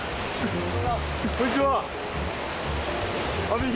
こんにちは。